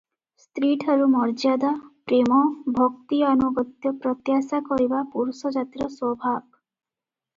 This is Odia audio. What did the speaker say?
ସ୍ତ୍ରୀଠାରୁ ମର୍ଯ୍ୟାଦା, ପ୍ରେମ, ଭକ୍ତି ଆନୁଗତ୍ୟ ପ୍ରତ୍ୟାଶା କରିବା ପୁରୁଷଜାତିର ସ୍ୱଭାବ ।